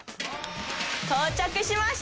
到着しました。